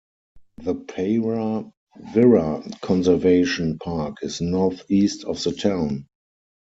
The Para Wirra Conservation Park is north-east of the town.